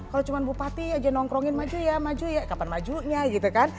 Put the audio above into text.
kalau cuma bupati aja nongkrongin maju ya maju ya kapan majunya gitu kan